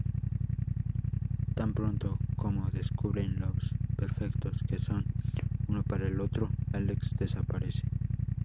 Tan pronto como descubren lo perfectos que son uno para el otro, Alex desaparece.